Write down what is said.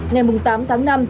ngày tám tháng năm